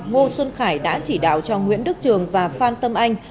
ngô xuân khải đã chỉ đạo cho nguyễn đức trường và phan tâm anh